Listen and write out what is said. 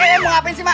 eh mau ngapain sih mak